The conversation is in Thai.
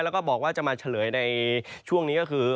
แล้วก็บอกว่าจะมาเฉลยในช่วงนี้ก็คือ